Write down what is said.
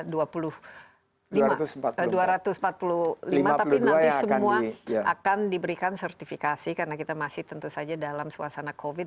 tapi nanti semua akan diberikan sertifikasi karena kita masih tentu saja dalam suasana covid